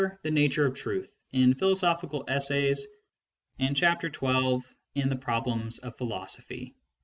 "The Nature of Truth" in Philosophical Essays, and chap. xii. in The Problems of Philosophy.